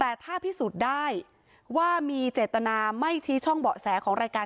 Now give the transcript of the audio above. แต่ถ้าพิสูจน์ได้ว่ามีเจตนาไม่ชี้ช่องเบาะแสของรายการ